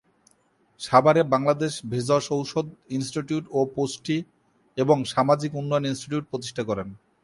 সাভারে বাংলাদেশ ভেষজ ঔষুধ ইনস্টিটিউট ও পুষ্টি এবং সামাজিক উন্নয়ন ইনস্টিটিউট প্রতিষ্ঠা করেন।